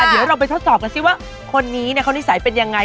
เดี๋ยวเราไปทดสอบกันสิว่าคนนี้เขานิสัยเป็นยังไง